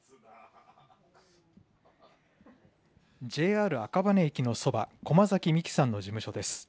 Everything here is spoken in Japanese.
ＪＲ赤羽駅のそば、駒崎美紀さんの事務所です。